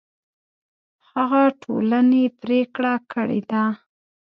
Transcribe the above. هغه ټولنې پرېکړه کړې ده